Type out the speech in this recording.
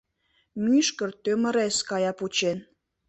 Мӱшкыр, тӧмырес, кая пучен.